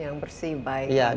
yang bersih baik